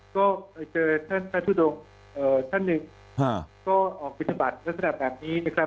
ก็ไปเจอท่านพระทุดงท่านหนึ่งก็ออกปฏิบัติลักษณะแบบนี้นะครับ